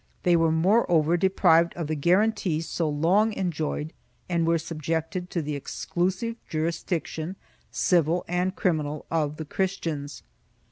They were moreover deprived of the guarantees so long enjoyed and were subjected to the exclusive jurisdiction, civil and criminal, of the Christians.